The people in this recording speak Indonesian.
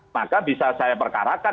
maka bisa saya perkarakan